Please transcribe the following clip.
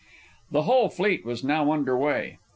The whole fleet was now under way.